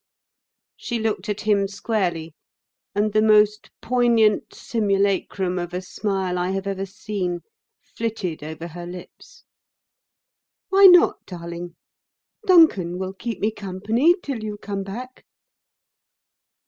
She looked at him squarely and the most poignant simulacrum of a smile I have ever seen flitted over her lips. "Why not, darling? Duncan will keep me company till you come back."